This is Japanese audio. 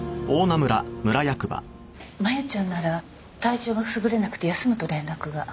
麻由ちゃんなら体調がすぐれなくて休むと連絡が。